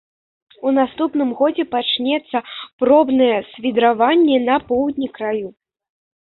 У наступным годзе пачнецца пробнае свідраванне на поўдні краю.